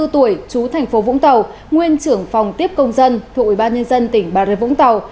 sáu mươi bốn tuổi chú tp vũng tàu nguyên trưởng phòng tiếp công dân thủy ban nhân dân tỉnh bà rất vũng tàu